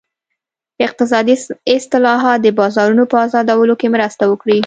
اقتصادي اصلاحات د بازارونو په ازادولو کې مرسته وکړي.